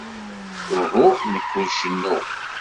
Uhu, nekk ur cennuɣ.